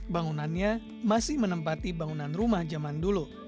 bangunannya masih menempati bangunan rumah zaman dulu